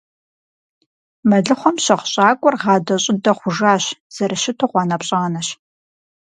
Мэлыхъуэм щыгъ щӀакӀуэр гъадэ-щӀыдэ хъужащ, зэрыщыту гъуанэпщӀанэщ.